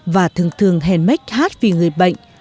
và thương thương henmech hát vì người bệnh